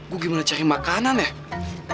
gue gimana cari makanan ya